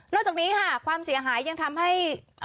จากนี้ค่ะความเสียหายยังทำให้